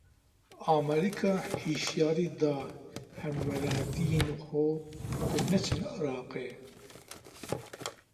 Amerîka hişyarî da hemwelatiyên xwe ku neçin Iraqê.